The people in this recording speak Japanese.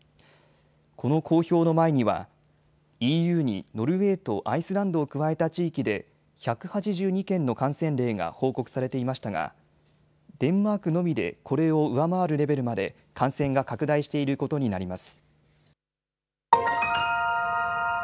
この公表の前にはＥＵにノルウェーとアイスランドを加えた地域で１８２件の感染例が報告されていましたがデンマークのみでこれを上回るレベルまで感染が拡大していることになります。